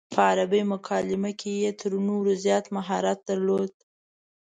په عربي مکالمه کې یې تر نورو زیات مهارت درلود.